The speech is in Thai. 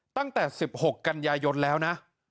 ตั้งแต่๑๖กันยายนแล้วนะ